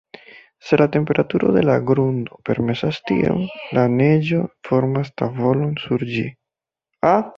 Se la temperaturo de la grundo permesas tion, la neĝo formas tavolon sur ĝi.